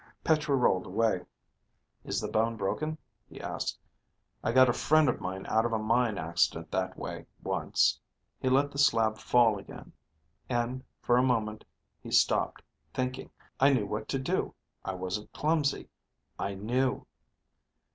Petra rolled away. "Is the bone broken?" he asked. "I got a friend of mine out of a mine accident that way, once." He let the slab fall again. (And for a moment he stopped, thinking, I knew what to do. I wasn't clumsy, I knew....)